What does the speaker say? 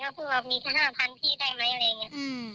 เขาพูดว่ามีแค่ห้าพันพี่ได้ไหมอะไรอย่างเงี้ยอืม